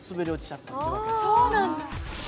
そうなんだ。